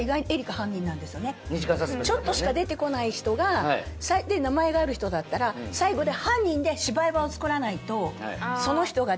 ちょっとしか出てこない人が名前がある人だったら最後で。